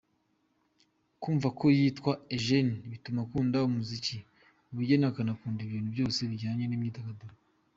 Kumva ko yitwa Eugene bituma akunda umuziki, ubugeni akanakunda ibintu byose bijyanye n’imyidagaduro,.